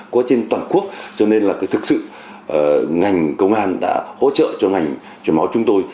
qua trên toàn quốc cho nên là thực sự ngành công an đã hỗ trợ cho ngành chuyển máu chúng tôi